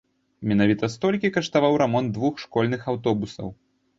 Менавіта столькі каштаваў рамонт двух школьных аўтобусаў.